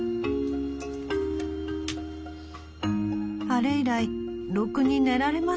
「『あれ以来ろくに寝られません。